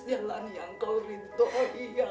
jalan yang kau rindu ya allah